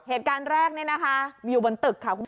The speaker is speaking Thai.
เหตุการณ์แรกนี่นะคะอยู่บนตึกค่ะ